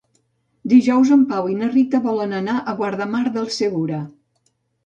Dijous en Pau i na Rita volen anar a Guardamar del Segura.